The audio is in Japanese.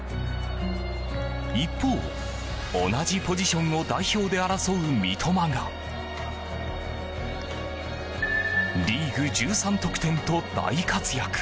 一方、同じポジションを代表で争う三笘がリーグ１３得点と大活躍。